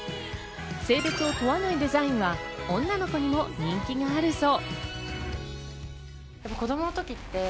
性別を問わないデザインは女の子にも人気があるそう。